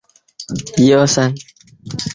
首尔民众对此赞不绝口。